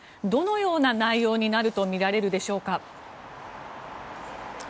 どのような内容になるとみられるでしょうか？